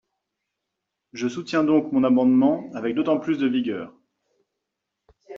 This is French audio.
Je soutiens donc mon amendement avec d’autant plus de vigueur.